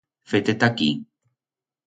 Fe-te ta aquí.